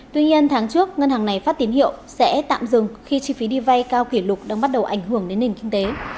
tuy nhiên tháng trước ngân hàng này phát tín hiệu sẽ tạm dừng khi chi phí đi vay cao kỷ lục đang bắt đầu ảnh hưởng đến nền kinh tế